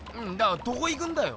どこ行くんだよ。